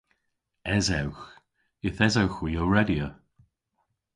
Esewgh. Yth esewgh hwi ow redya.